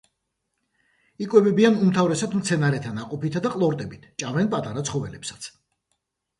იკვებებიან უმთავრესად მცენარეთა ნაყოფითა და ყლორტებით, ჭამენ პატარა ცხოველებსაც.